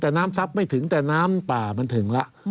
แต่น้ำซับไม่ถึงแต่น้ำป่ามันถึงแล้ว